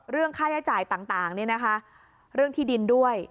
เรื่องค่าใช้จ่ายต่างนี่นะคะเรื่องที่ดินด้วย